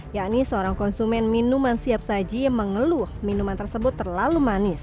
yakni seorang konsumen minuman siap saji yang mengeluh minuman tersebut terlalu manis